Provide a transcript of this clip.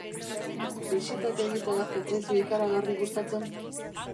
Bisitak egitea ez zaizu ikaragarri gustatzen?